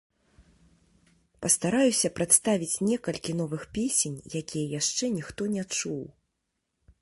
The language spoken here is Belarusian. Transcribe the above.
Пастараюся прадставіць некалькі новых песень, якія яшчэ ніхто не чуў.